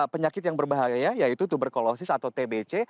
penyakit yang berbahaya yaitu tuberkulosis atau tbc